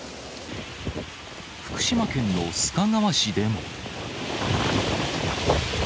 福島県の須賀川市でも。